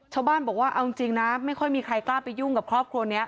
ชาวบ้านบอกว่าเอาจริงนะไม่ค่อยมีใครกล้าไปยุ่งกับครอบครัวนี้